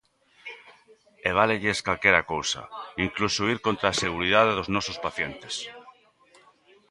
E válelles calquera cousa, incluso ir contra a seguridade dos nosos pacientes.